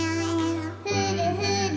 「ふるふる」